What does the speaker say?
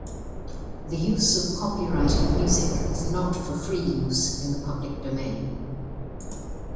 The use of copyrighted music is not for free use in the public domain.